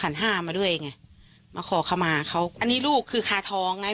ห้ามาด้วยไงมาขอขมาเขาอันนี้ลูกคือคาทองไง